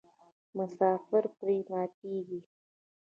مسافر پرې ماتیږي.